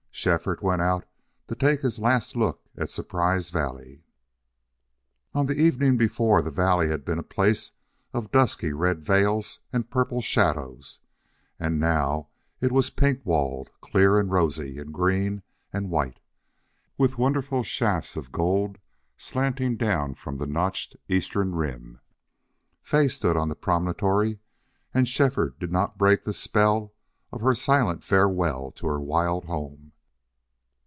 Shefford went out to take his last look at Surprise Valley. On the evening before the valley had been a place of dusky red veils and purple shadows, and now it was pink walled, clear and rosy and green and white, with wonderful shafts of gold slanting down from the notched eastern rim. Fay stood on the promontory, and Shefford did not break the spell of her silent farewell to her wild home.